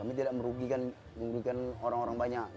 kami tidak merugikan orang orang banyak